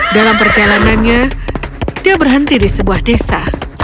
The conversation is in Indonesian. dalam perjalanannya dia berhenti di sebuah desa